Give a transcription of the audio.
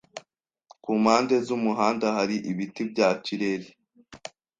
Ku mpande z'umuhanda hari ibiti bya kireri.